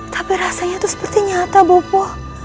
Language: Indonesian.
tapi rasanya itu seperti nyata bopo